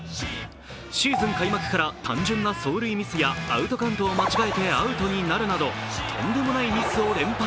シーズン開幕から単純な走塁ミスやアウトカウントを間違えてアウトになるなどとんでもないミスを連発。